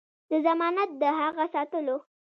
دا ضمانت د هغه ساتلو دی.